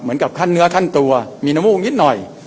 เหมือนกับขั้นเนื้อขั้นตัวมีนมูกนิดหน่อย